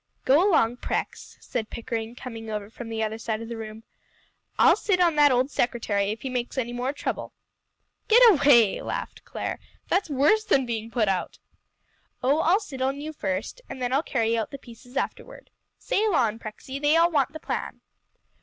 "Go along, Prex," said Pickering, coming over from the other side of the room, "I'll sit on that old secretary if he makes any more trouble." "Get away!" laughed Clare; "that's worse than being put out." "Oh, I'll sit on you first, and then I'll carry out the pieces afterward. Sail on, Prexy, they all want the plan."